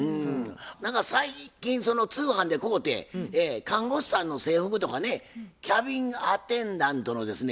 何か最近その通販で買うて看護師さんの制服とかねキャビンアテンダントのですね